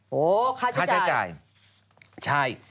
โห้ค่าใช้จ่าย